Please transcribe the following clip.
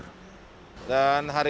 kepolisian kampung jawa barat